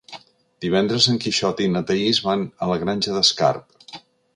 Divendres en Quixot i na Thaís van a la Granja d'Escarp.